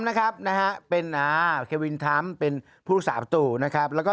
นะครับนะฮะเป็นอ่าเควินทรัมป์เป็นผู้รักษาประตูนะครับแล้วก็